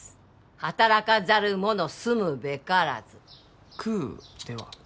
働かざる者住むべからず食うでは？